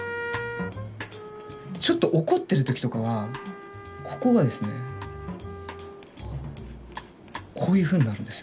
ちょっと怒ってる時とかはここがですねこういうふうになるんですよね。